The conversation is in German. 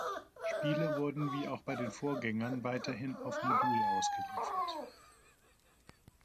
Spiele wurden wie auch bei den Vorgängern weiterhin auf Modul ausgeliefert.